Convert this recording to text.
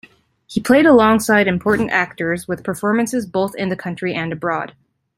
He played alongside important actors, with performances both in the country and abroad.